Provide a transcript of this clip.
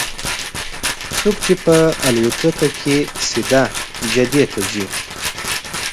څوک چې په الوتکه کې سیده جدې ته ځي.